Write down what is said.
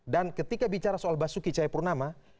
dan ketika bicara soal basuki cahayapurnama